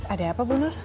ada apa bu nur